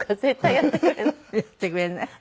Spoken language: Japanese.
やってくれない？